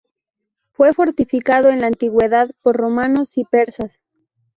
Fue fortificado en la Antigüedad por romanos y persas.